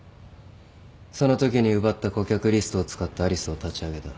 そのときに奪った顧客リストを使ってＡＬＩＣＥを立ち上げた。